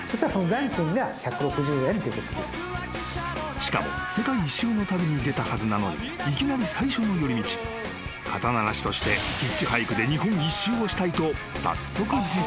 ［しかも世界一周の旅に出たはずなのにいきなり最初の寄り道肩慣らしとしてヒッチハイクで日本一周をしたいと早速実践］